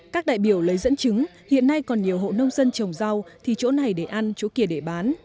các đại biểu lấy dẫn chứng hiện nay còn nhiều hộ nông dân trồng rau thì chỗ này để ăn chỗ kia để bán